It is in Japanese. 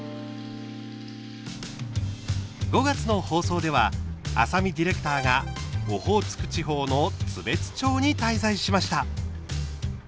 ５月の放送では浅見ディレクターがオホーツク地方の津別町に滞在しました。